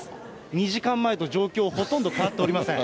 ２時間前と状況、ほとんど変わっておりません。